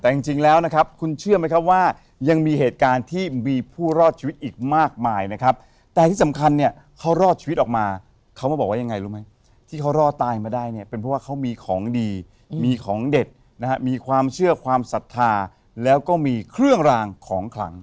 แต่จริงแล้วนะครับคุณเชื่อไหมครับว่ายังมีเหตุการณ์ที่มีผู้รอดชีวิตอีกมากมายนะครับแต่ที่สำคัญเนี่ยเขารอดชีวิตออกมาเขามาบอกว่ายังไงรู้ไหมที่เขารอดตายมาได้เนี่ยเป็นเพราะว่าเขามีของดีมีของเด็ดนะฮะมีความเชื่อความศรัทธาแล้วก็มีเครื่องรางของขลัง